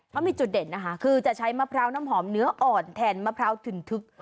เขามีจุดเด่นนะคะคือจะใช้มะพร้าวน้ำหอมเนื้ออ่อนแทนมะพร้าวถึ่นทึก